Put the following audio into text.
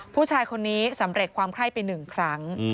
ผู้ชายคนนี้สำเร็จความไข้ไป๑ครั้ง